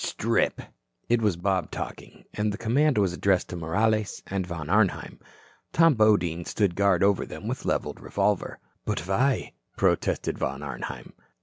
Strip." It was Bob talking, and the command was addressed to Morales and Von Arnheim. Tom Bodine stood guard over them with leveled revolver. "But, why?" protested Von Arnheim.